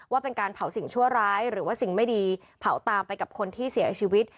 ว่าเป็นการเผาสิ่งชั่วร้ายหรือว่าสิ่งไม่ดีเผาตามไปกับคนที่เสียชีวิต